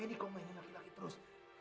selama ini kamu mainin laki laki terus